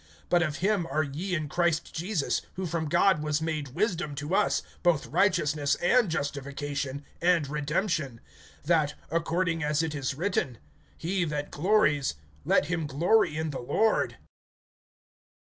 (30)But of him are ye in Christ Jesus, who from God was made wisdom to us, both righteousness and sanctification, and redemption; (31)that, according as it is written: He that glories, let him glory in the Lord.